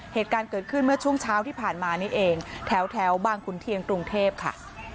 เหตุการณ์เกิดขึ้นเมื่อช่วงเช้าที่ผ่านมานี่เองแถวบางขุนเทียนกรุงเทพค่ะ